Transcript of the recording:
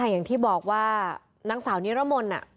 อย่างที่บอกว่านักสาวนิรมนศน์อ่ะ